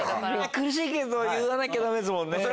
苦しいけど言わなきゃダメですね。